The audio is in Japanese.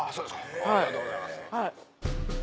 ありがとうございます。